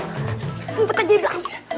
ngumpet aja dia